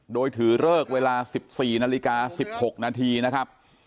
โดยถือเลิกเวลา๑๔นาฬิกา๑๖นาทีนะครับ